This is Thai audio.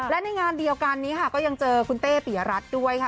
และในงานเดียวกันนี้ค่ะก็ยังเจอคุณเต้ปิยรัฐด้วยค่ะ